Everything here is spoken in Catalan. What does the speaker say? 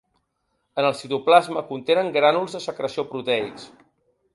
En el citoplasma contenen grànuls de secreció proteics.